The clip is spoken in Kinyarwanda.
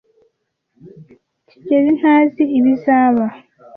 kigeli ntazi ibizaba.